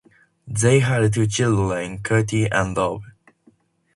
They had two children, Katri and Rob.